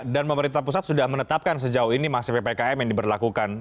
dan pemerintah pusat sudah menetapkan sejauh ini masih ppkm yang diberlakukan